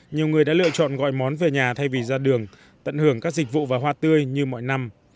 nhiều người đã lựa chọn gọi món về nhà thay vì ra đường tận hưởng các dịch vụ và hoa tươi như mọi năm